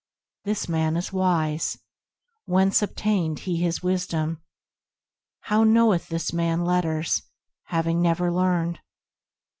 "This man is wise, whence obtained he his wisdom ? How knoweth this man letters, having never learned?"